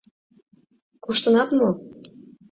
Коштынат мо?